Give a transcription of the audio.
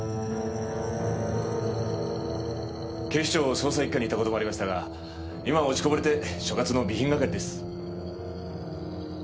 警視庁捜査一課にいた事もありましたが今は落ちこぼれて所轄の備品係です。